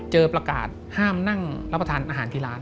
เจอประกาศห้ำนั่งแล้วประทานอาหารทีลาน